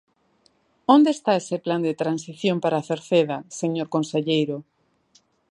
¿Onde está ese plan de transición para Cerceda, señor conselleiro?